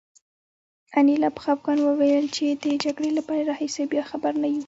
انیلا په خپګان وویل چې د جګړې له پیل راهیسې بیا خبر نه یو